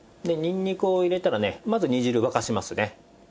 でにんにくを入れたらねまず煮汁沸かしますね。